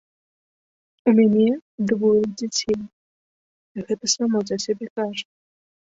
У мяне двое дзяцей, гэта само за сябе кажа.